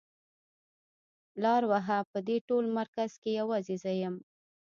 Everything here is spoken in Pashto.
لار وهه په دې ټول مرکز کې يوازې زه يم.